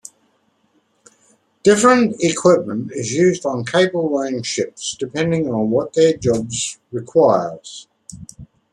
Different equipment is used on cable-laying ships depending on what their job requires.